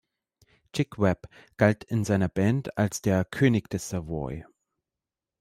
Chick Webb galt mit seiner Band als der „König des Savoy“.